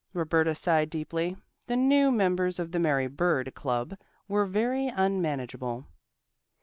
Roberta sighed deeply. The new members of the Mary bird club were very unmanageable.